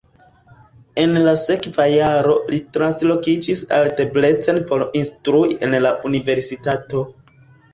En la sekva jaro li translokiĝis al Debrecen por instrui en la universitato.